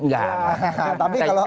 kalau mau beli ruang